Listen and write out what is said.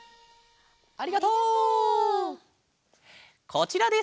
こちらです。